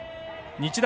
日大